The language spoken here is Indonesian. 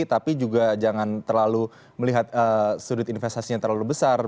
tapi juga jangan terlalu melihat sudut investasinya terlalu besar